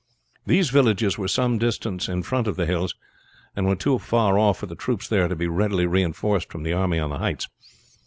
These villages were some distance in front of the hills, and were too far off for the troops there to be readily reinforced from the army on the heights.